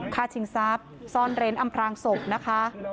ค่าชิงทราบซ่อนเรนอำพลางศพนะคะ